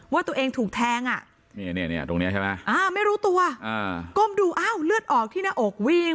ว่าตัวเองถูกแทงไม่รู้ตัวก้มดูเลือดออกที่หน้าอกวิ่ง